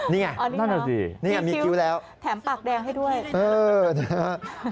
นี่ไงนี่มีคิ้วแล้วแถมปากแดงให้ด้วย